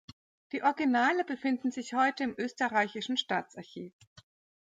Die Originale befinden sich heute im Österreichischen Staatsarchiv.